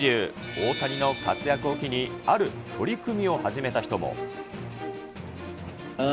大谷の活躍を機に、ある取り組みを始めた人も。